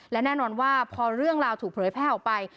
และแน่นอนว่าพอเรื่องราวถูกเผยแพร่ออกไป